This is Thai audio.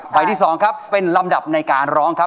ที่๒ครับเป็นลำดับในการร้องครับ